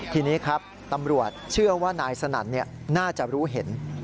ทีนี้ครับตำรวจเชื่อว่านายสนั่นน่าจะรู้เห็น